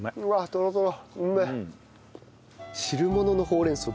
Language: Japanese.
トロトロ。